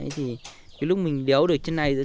thì lúc mình đéo được chân này rồi